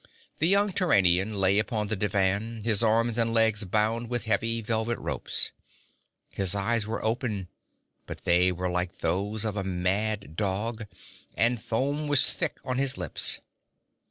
The young Turanian lay upon the divan, his arms and legs bound with heavy velvet ropes. His eyes were open, but they were like those of a mad dog, and foam was thick on his lips.